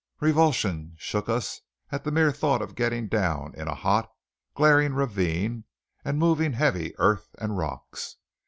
Revulsion shook us at the mere thought of getting down in a hot, glaring ravine and moving heavy earth and rocks.